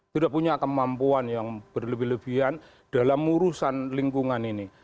sudah punya kemampuan yang berlebihan dalam urusan lingkungan ini